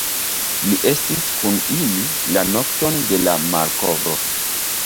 Li estis kun ili la nokton de la malkovro.